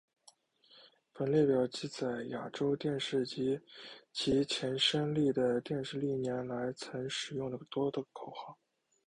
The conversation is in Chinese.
本列表记载亚洲电视及其前身丽的电视历年来曾使用的多个口号。